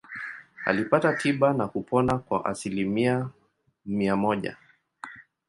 Alipata tiba na kupona kwa asilimia mia moja.